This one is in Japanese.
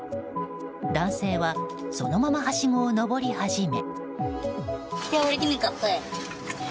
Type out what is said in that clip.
男性はそのままはしごを登り始め。